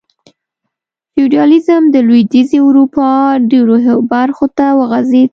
فیوډالېزم د لوېدیځې اروپا ډېرو برخو ته وغځېد.